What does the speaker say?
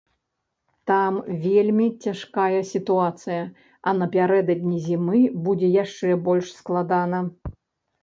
Там вельмі цяжкая сітуацыя, а напярэдадні зімы будзе яшчэ больш складана.